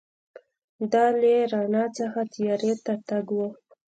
دا له رڼا څخه تیارې ته تګ و.